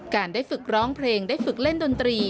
ได้ฝึกร้องเพลงได้ฝึกเล่นดนตรี